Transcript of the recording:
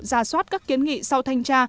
ra soát các kiến nghị sau thanh tra